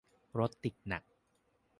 รถติดหนัก